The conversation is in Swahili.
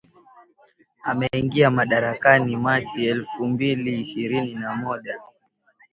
Ameingia madarakani Machi elfu mbili ishirini na moja